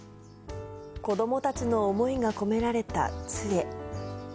子どもたちの思いが込められたつえ。